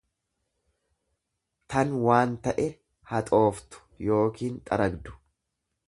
tan waan ta'e haxooftu yookiin xaragdu.